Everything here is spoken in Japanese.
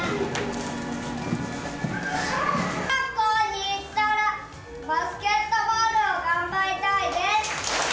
小学校に行ったら、バスケットボールを頑張りたいです。